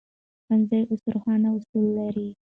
ښوونځي اوس روښانه اصول لري.